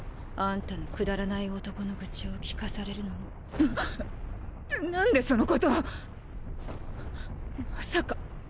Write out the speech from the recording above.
あんたのくだらない男のグチを聞かされるのも。は⁉何でそのことを。